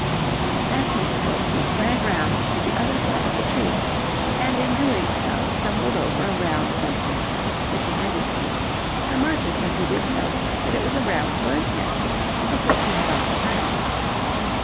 As he spoke he sprang round to the other side of the tree, and in doing so stumbled over a round substance, which he handed to me, remarking, as he did so, that it was a round bird's nest, of which he had often heard.